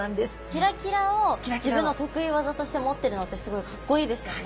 キラキラを自分の得意技として持ってるのってすごいかっこいいですよね。